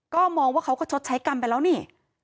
ก็มองว่าเขาก็ชดใช้กรรมไปแล้วนี่